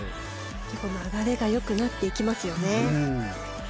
流れがよくなっていきますよね。